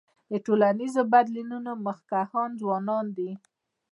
د ټولنیزو بدلونونو مخکښان ځوانان دي.